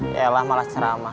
yalah malas cerama